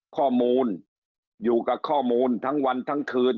ข้อมูลอยู่กับข้อมูลทั้งวันทั้งคืน